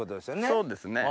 そうですね。